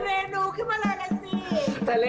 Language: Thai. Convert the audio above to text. อย่างร้อนขึ้นมาเลยละสิ